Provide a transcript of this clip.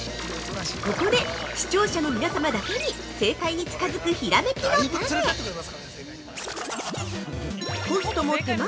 ◆ここで、視聴者の皆様だけに正解に近づく、ひらめきのタネ。